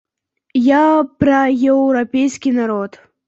Я пра еўрапейскі народ.